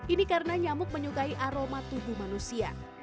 ini karena nyamuk menyukai aroma tubuh manusia